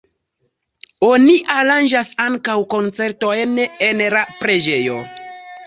Oni aranĝas ankaŭ koncertojn en la preĝejo.